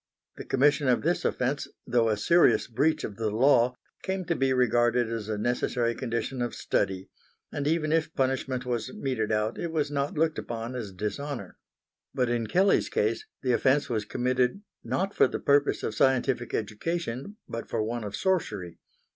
The commission of this offence though a serious breach of the law, came to be regarded as a necessary condition of study; and even if punishment was meted out, it was not looked upon as dishonour. But in Kelley's case the offence was committed not for the purpose of scientific education but for one of sorcery.